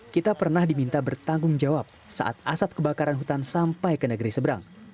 kita pernah diminta bertanggung jawab saat asap kebakaran hutan sampai ke negeri seberang